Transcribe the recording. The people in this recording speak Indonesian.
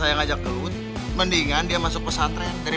bang di bandung lepasan trenu halus setrenaun